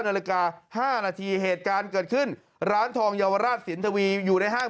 นาฬิกา๕นาทีเหตุการณ์เกิดขึ้นร้านทองเยาวราชสินทวีอยู่ในห้าง